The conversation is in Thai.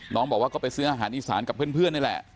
บอกว่าก็ไปซื้ออาหารอีสานกับเพื่อนนี่แหละ